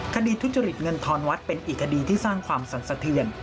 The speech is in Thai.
ทุจริตเงินทอนวัดเป็นอีกคดีที่สร้างความสันสะเทือน